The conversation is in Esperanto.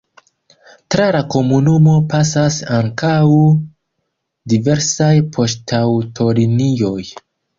Tra la komunumo pasas ankaŭ diversaj poŝtaŭtolinioj.